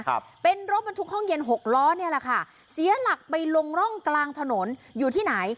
ครับเป็นรถบรรทุกห้องเย็นหกล้อเนี่ยแหละค่ะเสียหลักไปลงร่องกลางถนนอยู่ที่ไหน